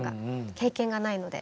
経験がないので。